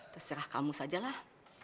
terserah kamu sajalah